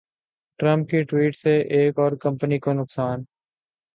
Trump کی tweet سے ایک اور کمپنی کو نقصان